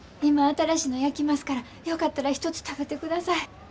今新しいの焼きますからよかったら一つ食べてください。